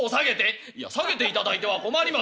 「いや下げていただいては困ります」。